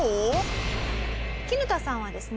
キヌタさんはですね